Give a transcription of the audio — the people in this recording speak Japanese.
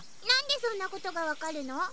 なんでそんなことがわかるの？